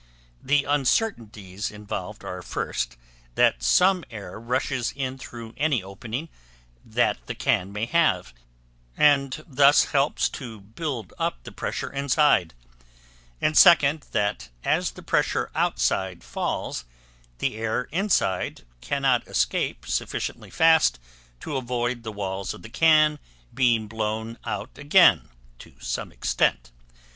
The uncertainties involved are, first, that some air rushes in through any opening that the can may have, and thus helps to build up the pressure inside; and, second, that as the pressure outside falls, the air inside cannot escape sufficiently fast to avoid the walls of the can being blown out again to some extent.